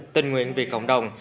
tình nguyện vì cộng đồng